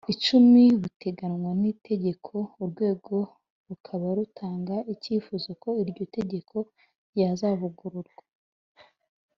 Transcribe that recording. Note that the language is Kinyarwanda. icumi buteganywa n itegeko urwego rukaba rutanga icyifuzo ko iryo tegeko ryazavugururwa